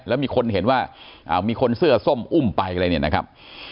แล้วมีคนเห็นว่ามีคนเสื้อส้มอุ้มไปอะไรเนี่ยนะครับ